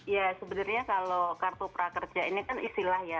ya sebenarnya kalau kartu prakerja ini kan istilah ya